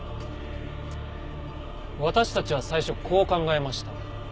私たちは最初こう考えました。